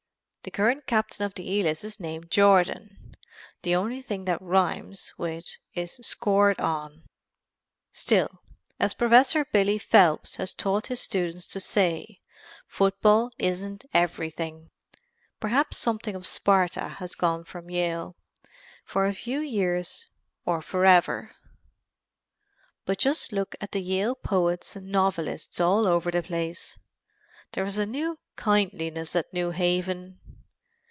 The current captain of the Elis is named Jordan. The only thing that rhymes with is "scored on." Still, as Professor Billy Phelps has taught his students to say, football isn't everything. Perhaps something of Sparta has gone from Yale, for a few years or forever, but just look at the Yale poets and novelists all over the place. There is a new kindliness at New Haven.